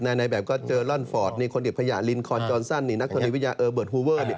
ในแบบก็เจอลอนฟอร์ตคนเด็ดพญาลินคอนจอนซั่นนักธรรมิวิทยาเออเบิร์ตฮูเวอร์